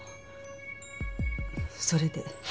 それで。